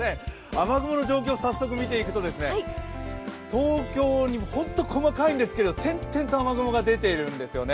雨雲の状況を早速見ていくと東京にホント細かいんですけど点々と雨雲が出ているんですよね。